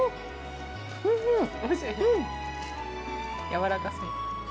やわらかそう。